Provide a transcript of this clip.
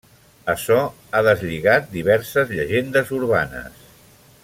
Açò ha deslligat diverses llegendes urbanes.